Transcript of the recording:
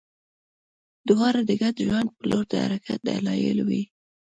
دواړه د ګډ ژوند په لور د حرکت دلایل وي.